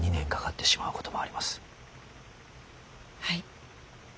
はい。